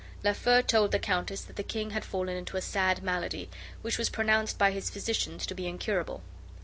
Lafeu told the countess that the king had fallen into a sad malady, which was pronounced by his physicians to be incurable.